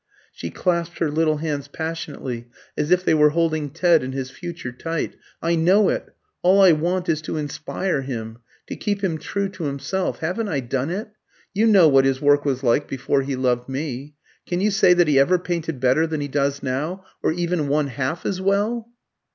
She clasped her little hands passionately, as if they were holding Ted and his future tight. "I know it. All I want is to inspire him, to keep him true to himself. Haven't I done it? You know what his work was like before he loved me. Can you say that he ever painted better than he does now, or even one half as well?"